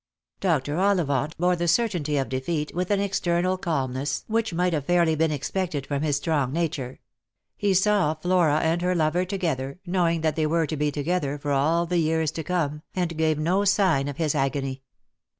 Dr. Ollivant bore the certainty of defeat with an external calmness which might fairly have been expected from his strong uature. He saw Flora and her lover together, knowing that they were to be together for all the years to come, and gave no sign of his agony.